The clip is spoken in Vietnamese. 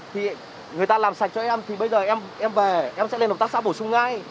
thì người ta làm sạch cho em thì bây giờ em về em sẽ lên hợp tác xã bổ sung ngay